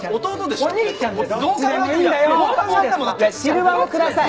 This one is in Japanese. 汁わんをください。